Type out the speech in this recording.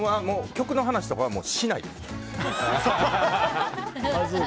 曲の話とかはしないです。